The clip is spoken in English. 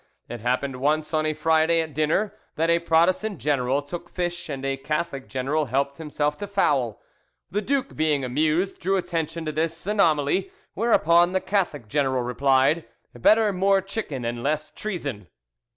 It happened once, on a Friday, at dinner, that a Protestant general took fish and a Catholic general helped himself to fowl. The duke being amused, drew attention to this anomaly, whereupon the Catholic general replied, "Better more chicken and less treason."